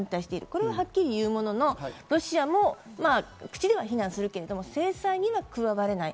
これははっきり言うものの、ロシアも口では非難するけれども、制裁には加われない。